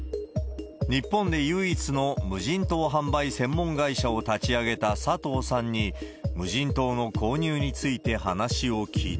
日本で唯一の無人島販売専門会社を立ち上げた佐藤さんに、無人島の購入について話を聞いた。